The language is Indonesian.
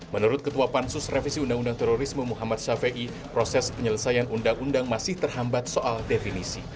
menurut ketua pansus revisi undang undang terorisme muhammad syafiei proses penyelesaian undang undang masih terhambat soal definisi